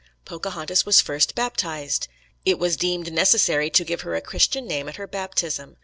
Pocahontas was first baptised. It was deemed necessary to give her a Christian name at her baptism.